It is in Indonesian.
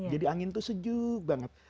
jadi angin itu sejuk banget